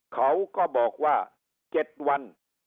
เขาก็บอกว่า๗วัน